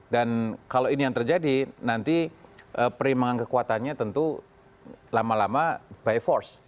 dan kalau ini yang terjadi nanti perimangan kekuatannya tentu lama lama by force